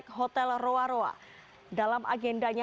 yang diberikan kepada setiap sekotanya